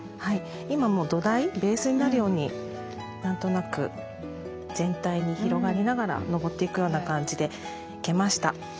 今もう土台ベースになるように何となく全体に広がりながら昇っていくような感じで生けました。